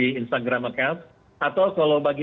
instagram account atau kalau bagi